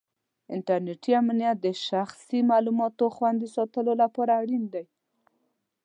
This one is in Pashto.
انټرنېټي امنیت د شخصي معلوماتو خوندي ساتلو لپاره اړین دی.